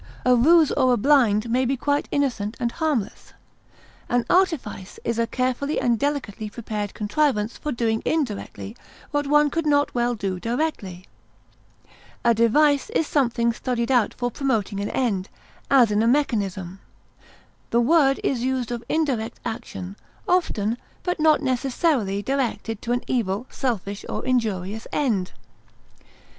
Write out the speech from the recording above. A ruse or a blind may be quite innocent and harmless. An artifice is a carefully and delicately prepared contrivance for doing indirectly what one could not well do directly. A device is something studied out for promoting an end, as in a mechanism; the word is used of indirect action, often, but not necessarily directed to an evil, selfish, or injurious end.